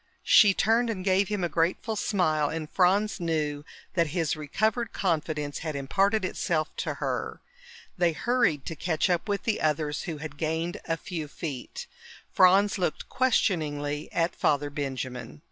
She turned and gave him a grateful smile, and Franz knew that his recovered confidence had imparted itself to her. They hurried to catch up with the others, who had gained a few feet. Franz looked questioningly at Father Benjamin.